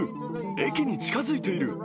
駅に近づいている。